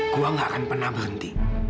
gue gak akan pernah berhenti